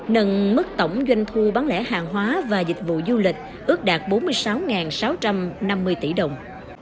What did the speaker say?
nâng mức tổng doanh thu bán lẻ hàng hóa và dịch vụ du lịch ước đạt bốn mươi sáu sáu trăm năm mươi tỷ đồng